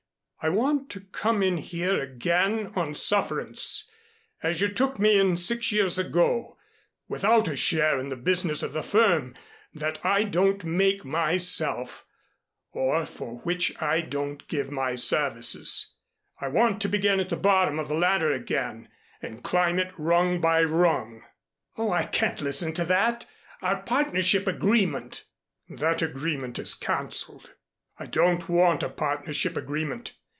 I want to come in here again on sufferance, as you took me in six years ago, without a share in the business of the firm that I don't make myself or for which I don't give my services. I want to begin at the bottom of the ladder again and climb it rung by rung." "Oh, I can't listen to that. Our partnership agreement " "That agreement is canceled. I don't want a partnership agreement.